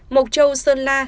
mộc châu sơn la